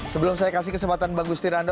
sebelum saya kasih kesempatan bang gustir anda